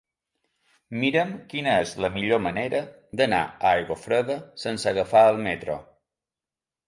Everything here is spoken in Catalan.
Mira'm quina és la millor manera d'anar a Aiguafreda sense agafar el metro.